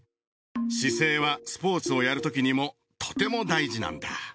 姿勢はスポーツをやるときにもとても大事なんだ。